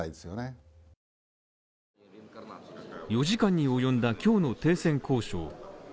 ４時間に及んだ今日の停戦交渉。